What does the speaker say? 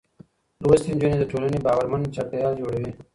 لوستې نجونې د ټولنې باورمن چاپېريال جوړوي.